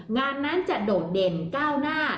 งานนั้นจะโดดเด่นก้าวหน้า